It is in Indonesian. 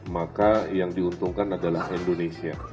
maka yang diuntungkan adalah indonesia